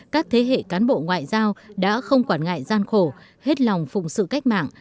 các thế hệ cán bộ ngoại giao đã không quản ngại gian khổ hết lòng phụng sự cách mạng